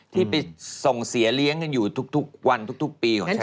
ที่ไปส่งเสียเลี้ยงกันอยู่ทุกวันทุกปีของฉัน